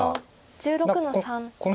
黒１６の三。